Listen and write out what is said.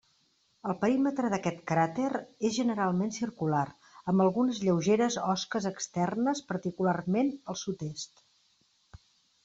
El perímetre d'aquest cràter és generalment circular, amb algunes lleugeres osques externes particularment al sud-est.